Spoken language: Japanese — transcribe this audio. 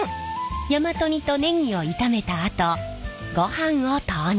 大和煮とネギを炒めたあとごはんを投入。